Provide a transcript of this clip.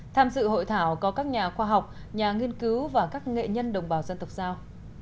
tham dự hội thảo có các nhà khoa học nhà nghiên cứu và các nghệ nhân đồng bào dân tộc giao